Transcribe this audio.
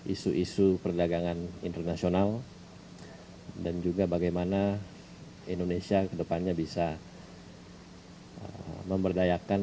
isu isu perdagangan internasional dan juga bagaimana indonesia kedepannya bisa memberdayakan